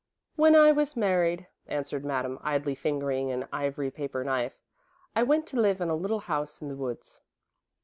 "When I was married," answered Madame, idly fingering an ivory paper knife, "I went to live in a little house in the woods."